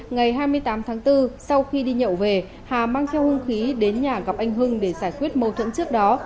ngày hai mươi tám tháng bốn sau khi đi nhậu về hà mang theo hung khí đến nhà gặp anh hưng để giải quyết mâu thuẫn trước đó